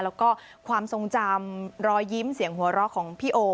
แล้วก็ความทรงจำรอยยิ้มเสียงหัวเราะของพี่โอ